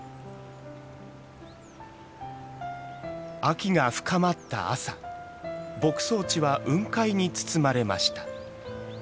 秋が深まった朝牧草地は雲海に包まれました。